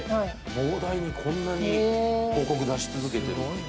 膨大にこんなに広告出し続けてる。